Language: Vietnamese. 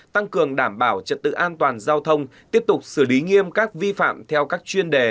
tăng cường đảm bảo trật tự an toàn giao thông tiếp tục xử lý nghiêm các vi phạm theo các chuyên đề